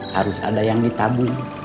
harus ada yang ditabung